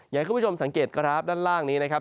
อยากให้คุณผู้ชมสังเกตกราฟด้านล่างนี้นะครับ